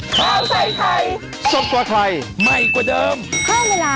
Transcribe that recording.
ข้างในเป็นสีแบบนี้เลยนะ